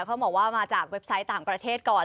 เขาบอกว่ามาจากเว็บไซต์ต่างประเทศก่อน